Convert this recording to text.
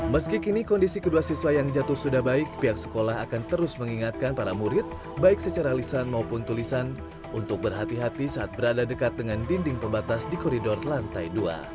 meski kini kondisi kedua siswa yang jatuh sudah baik pihak sekolah akan terus mengingatkan para murid baik secara lisan maupun tulisan untuk berhati hati saat berada dekat dengan dinding pembatas di koridor lantai dua